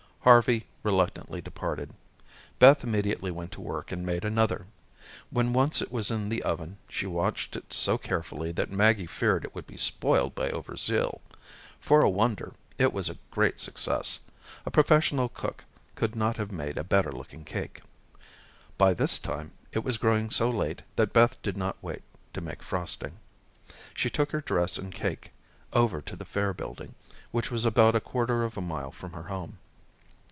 Harvey reluctantly departed. Beth immediately went to work and made another. When once it was in the oven, she watched it so carefully that Maggie feared it would be spoiled by overzeal. For a wonder, it was a great success. A professional cook could not have made a better looking cake. By this time, it was growing so late that Beth did not wait to make frosting. She took her dress and cake over to the Fair building, which was about a quarter of a mile from her home.